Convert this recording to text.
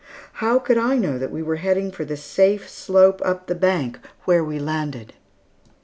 How could I know that we were heading for the safe slope up the bank where we landed?